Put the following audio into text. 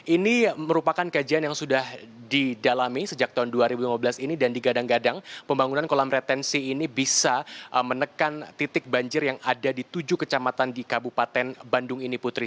ini merupakan kajian yang sudah didalami sejak tahun dua ribu lima belas ini dan digadang gadang pembangunan kolam retensi ini bisa menekan titik banjir yang ada di tujuh kecamatan di kabupaten bandung ini putri